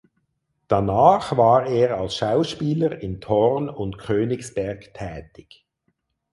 Danach war er als Schauspieler in Thorn und Königsberg tätig.